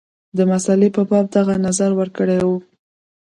د مسلې په باب دغه نظر ورکړی وو.